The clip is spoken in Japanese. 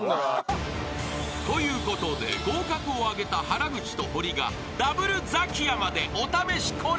［ということで合格を挙げた原口とホリがダブルザキヤマでお試しコラボ］